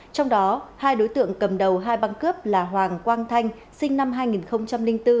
trong đó hai đối tượng cầm đầu hai băng cướp là hoàng quang thanh sinh năm hai nghìn bốn